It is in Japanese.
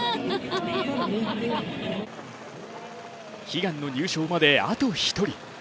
悲願の入賞まで、あと１人。